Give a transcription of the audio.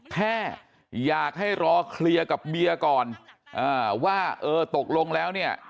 แค่อยากให้รอเคลียร์กับเบียร์ก่อนว่าเออตกลงแล้วเนี่ย